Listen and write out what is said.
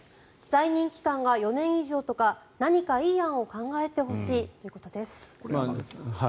在任期間が４年以上とか何かいい案を考えてほしいということです。